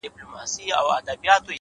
د حقیقت رڼا فریب ته ځای نه پرېږدي’